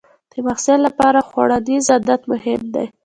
د محصل لپاره خوړنیز عادت مهم دی.